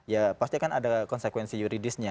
ya pasti akan ada konsekuensi yuridisnya